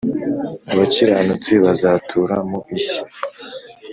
abakiranutsi bazatura mu isi